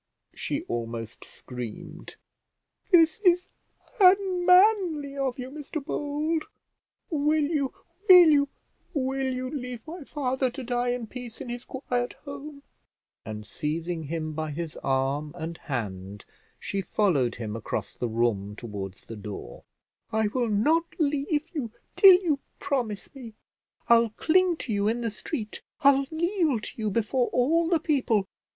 she almost screamed. "This is unmanly of you, Mr Bold. Will you, will you, will you leave my father to die in peace in his quiet home?" and seizing him by his arm and hand, she followed him across the room towards the door. "I will not leave you till you promise me; I'll cling to you in the street; I'll kneel to you before all the people.